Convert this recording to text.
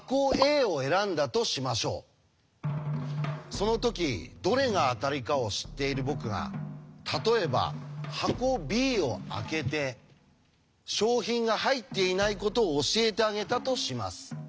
そのときどれが当たりかを知っている僕が例えば箱Ｂを開けて商品が入っていないことを教えてあげたとします。